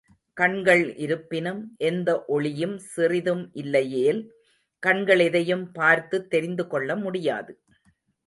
கண்கள் இருப்பினும், எந்த ஒளியும் சிறிதும் இல்லையேல், கண்கள் எதையும் பார்த்துத் தெரிந்துகொள்ள முடியாது.